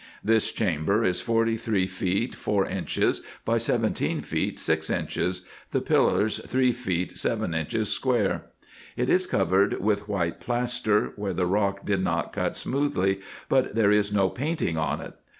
This chamber is forty three feet four inches by seventeen feet six inches ; the pillars three feet seven inches square. It is covered with white plaster, where the rock did not cut smoothly, but there is no painting on it.